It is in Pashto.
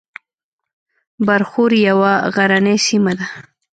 برښور یوه غرنۍ سیمه ده